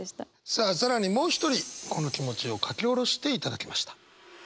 さあ更にもう一人この気持ちを書き下ろしていただきました。